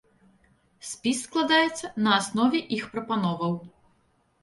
Спіс складаецца на аснове іх прапановаў.